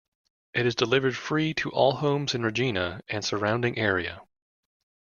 It is delivered free to all homes in Regina and surrounding area.